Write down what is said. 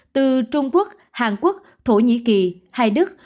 từ trung quốc hàn quốc thổ nhĩ kỳ hay đức